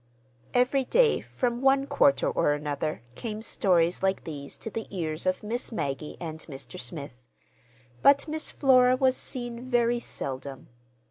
Every day, from one quarter or another, came stories like these to the ears of Miss Maggie and Mr. Smith. But Miss Flora was seen very seldom.